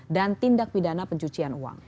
dan tindak pidana pencucian uang